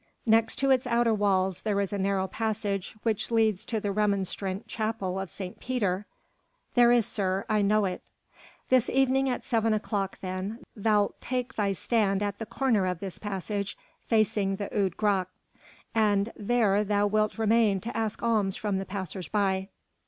"Next to its outer walls there is a narrow passage which leads to the Remonstrant Chapel of St. Pieter." "There is, sir. I know it." "This evening at seven o'clock then thou'lt take thy stand at the corner of this passage facing the Oude Gracht; and there thou wilt remain to ask alms from the passers by.